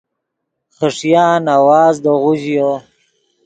خݰیان آواز دے غو ژیو